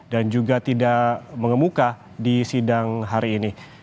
dan juga tidak mengemuka di sidang hari ini